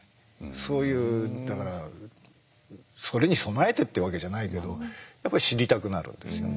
そういうだからそれに備えてってわけじゃないけどやっぱり知りたくなるんですよね。